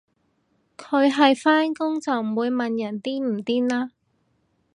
佢係返工就唔會問人癲唔癲啦